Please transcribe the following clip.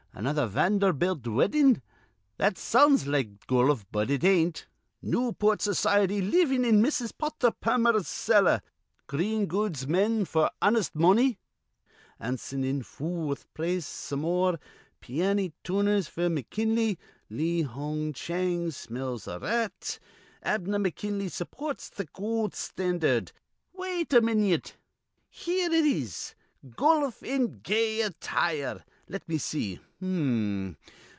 Another Vanderbilt weddin'. That sounds like goluf, but it ain't. Newport society livin' in Mrs. Potther Pammer's cellar. Green goods men declare f'r honest money. Anson in foorth place some more. Pianny tuners f'r McKinley. Li Hung Chang smells a rat. Abner McKinley supports th' goold standard. Wait a minyit. Here it is: 'Goluf in gay attire.' Let me see. H'm.